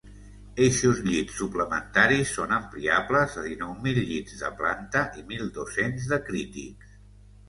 Eixos llits suplementaris són ampliables a dinou mil llits de planta i mil dos-cents de crítics.